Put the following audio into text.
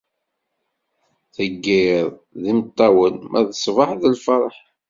Deg yiḍ, d imeṭṭawen, ma d ṣṣbeḥ, d lferḥ.